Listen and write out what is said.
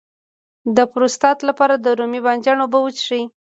د پروستات لپاره د رومي بانجان اوبه وڅښئ